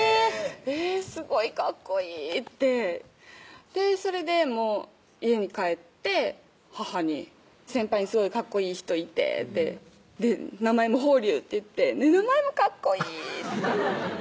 「すごいかっこいい」ってそれでもう家に帰って母に「先輩にすごいかっこいい人いて」って「名前も峰龍っていって名前もかっこいい！」